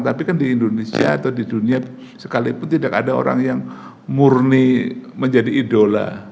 tapi kan di indonesia atau di dunia sekalipun tidak ada orang yang murni menjadi idola